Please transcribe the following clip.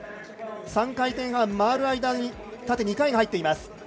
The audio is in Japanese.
３回転半回る間に縦２回入っています。